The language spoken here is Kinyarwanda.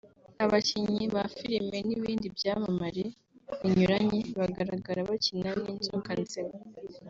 abakinnyi ba filime n’ibindi byamamare binyuranye bagaragara bakina n’inzoka nzima